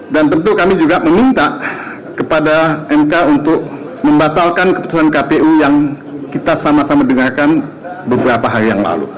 dan tentu kami juga meminta kepada mk untuk membatalkan keputusan kpu yang kita sama sama dengarkan beberapa hari yang lalu